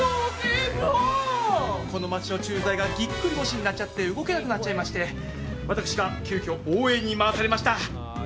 この町の駐在がぎっくり腰になっちゃって動けなくなっちゃいまして私が急きょ応援に回されました！